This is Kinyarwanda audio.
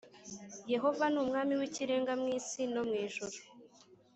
Yehova nuMwami wIkirenga mwisi no mwijuru